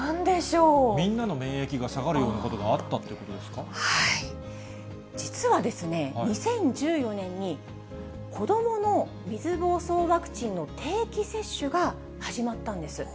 みんなの免疫が下がるような実はですね、２０１４年に子どもの水ぼうそうワクチンの定期接種が始まったんです。